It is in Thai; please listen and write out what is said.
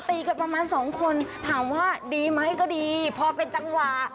ตีกันประมาณสองคนถามว่าดีไหมก็ดีพอเป็นจังหวะ